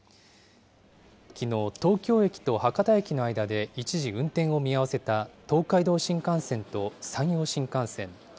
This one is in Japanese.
きのう、東京駅と博多駅の間で一時運転を見合わせた東海道新幹線と山陽新幹線。